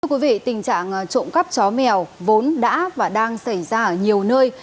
thưa quý vị tình trạng trộm cắp chó mèo vốn đã và đang xảy ra ở nhiều nơi